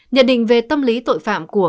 nhận định về tâm lý tội phạm của